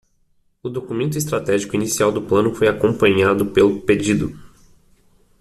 O documento estratégico inicial do plano foi acompanhado pelo pedido.